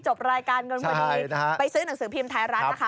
จบรายการเงินพอดีไปซื้อหนังสือพิมพ์ไทยรัฐนะคะ